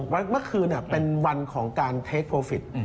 เมื่อคืนเป็นวันของการเทคโลฟิต